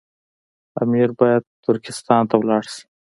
امیر باید ترکستان ته ولاړ شي.